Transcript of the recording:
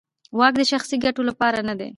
واک د شخصي ګټو لپاره نه دی.